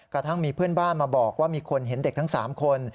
กระทั่งมีเพื่อนบ้านมาบอกว่ามีคนเห็นเด็กทั้ง๓คน